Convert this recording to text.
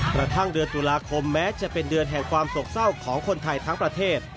กระทั่งเดือนตุลาคมแม้จะเป็นเดือนแห่งความโศกเศร้าของคนไทยทั้งประเทศ